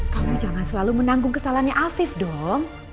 kamu jangan selalu menanggung kesalahannya afif dong